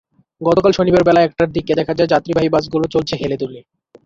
গতকাল শনিবার বেলা একটার দিকে দেখা গেল যাত্রীবাহী বাসগুলো চলছে হেলেদুলে।